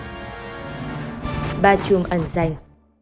ba chung ấn danh